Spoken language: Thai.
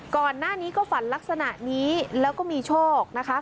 ก่อนหน้านี้ก็ฝันลักษณะนี้แล้วก็มีโชคนะคะ